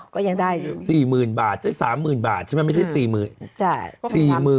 ๔๐๐๐๐บาทอาจจะได้๓๐๐๐๐บาทใช่มั้ยไม่ใช่๔๐๐๐๐